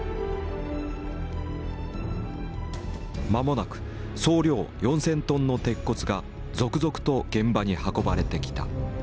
間もなく総量４，０００トンの鉄骨が続々と現場に運ばれてきた。